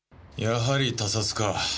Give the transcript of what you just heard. やはり他殺か。